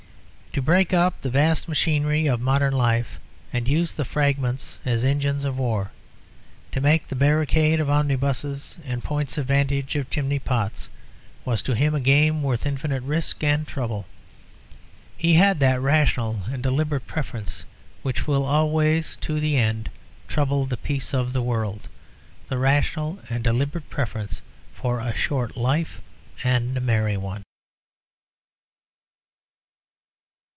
To break up the vast machinery of modern life and use the fragments as engines of war, to make the barricade of omnibuses and points of vantage of chimney pots, was to him a game worth infinite risk and trouble. He had that rational and deliberate preference which will always to the end trouble the peace of the world, the rational and deliberate preference for a short life and a merry one.